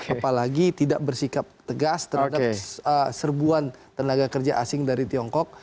apalagi tidak bersikap tegas terhadap serbuan tenaga kerja asing dari tiongkok